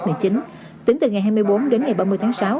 tính từ ngày hai mươi bốn đến ngày ba mươi tháng sáu